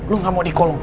lo gak mau di kolong